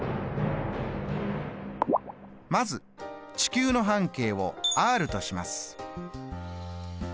まず地球の半径を「ｒ」とします。